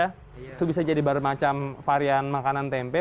itu bisa jadi barang macam varian makanan tempe